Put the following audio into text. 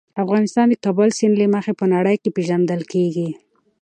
افغانستان د کابل سیند له مخې په نړۍ پېژندل کېږي.